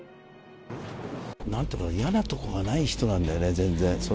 なんというか、嫌なところがない人なんだよね、全然。